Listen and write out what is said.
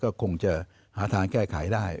ก็คงจะหาทางแก้ไขได้